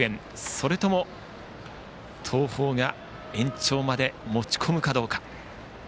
それとも東邦が延長まで持ち込むかどうか。